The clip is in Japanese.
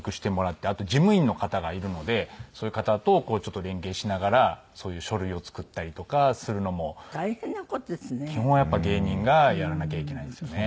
あと事務員の方がいるのでそういう方と連携しながらそういう書類を作ったりとかするのも基本やっぱ芸人がやらなきゃいけないんですよね。